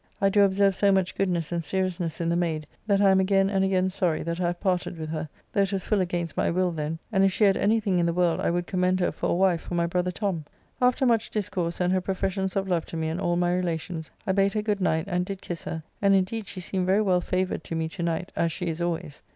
I do observe so much goodness and seriousness in the mayde, that I am again and again sorry that I have parted with her, though it was full against my will then, and if she had anything in the world I would commend her for a wife for my brother Tom. After much discourse and her professions of love to me and all my relations, I bade her good night and did kiss her, and indeed she seemed very well favoured to me to night, as she is always.